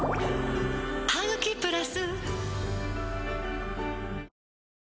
「ハグキプラス」